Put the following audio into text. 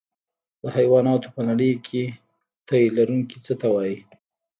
د حیواناتو په نړۍ کې تی لرونکي څه ته وایي